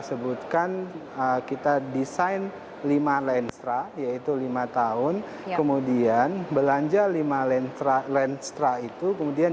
sebutkan kita desain lima lansera yaitu lima tahun kemudian belanja lima lansera itu kemudian